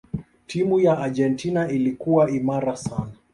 timu ya taifa ya Argentina ilikuwa imara sana